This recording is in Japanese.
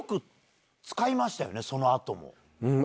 その後も。